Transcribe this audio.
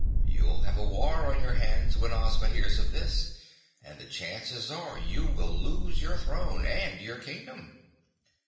"You'll have a war on your hands when Ozma hears of this, and the chances are you will lose your throne and your kingdom."